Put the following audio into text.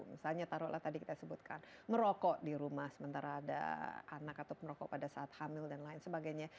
misalnya taruhlah tadi kita sebutkan merokok di rumah sementara ada anak atau perokok pada saat hamil dan lain sebagainya